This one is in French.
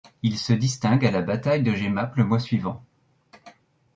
Il se distingue à la bataille de Jemappes le mois suivant.